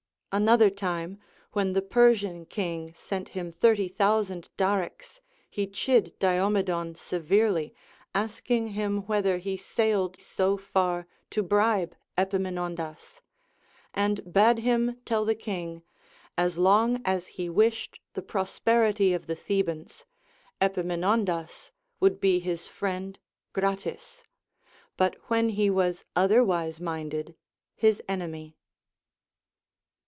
Another time, Avhen the Persian king sent him thirty thousand darics, he chid Diomedon severely, asking him whether he sailed so far to bribe Epaminondas ; and bade him tell the king, as long as he Avished the prosperity of the Thebans, Epaminondas would be his friend gratis, but when he Avas otherwise minded, his enemy.